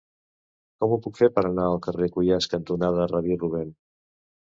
Com ho puc fer per anar al carrer Cuyàs cantonada Rabí Rubèn?